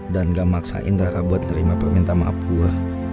dan gak memaksa rara untuk minta m spot